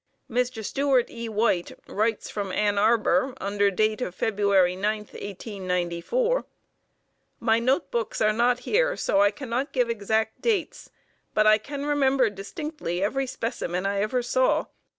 Mr. Stewart E. White writes from Ann Arbor under date of Feb. 9, 1894: "My notebooks are not here so I cannot give exact dates, but I can remember distinctly every specimen I ever saw.